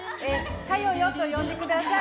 「かよよ」と呼んでください。